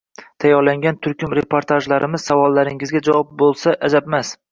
tayyorlangan turkum reportajlarimiz savollaringizga javob bo‘lsa ajabmas.